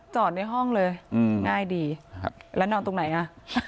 จอดในห้องเลยง่ายดีแล้วนอนตรงไหนอ่ะ